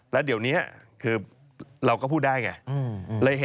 แล้วเดี๋ยวนี้คือเราก็พูดได้ไง